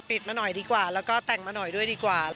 มาหน่อยดีกว่าแล้วก็แต่งมาหน่อยด้วยดีกว่า